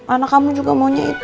anak kamu juga maunya itu